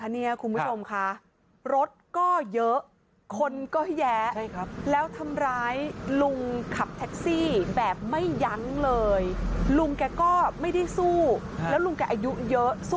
มีคุณลุงขับรถแท็กซี่ถูกทำร้ายร่างกาย